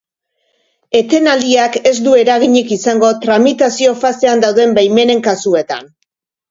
Etenaldiak ez du eraginik izango tramitazio fasean dauden baimenen kasuetan.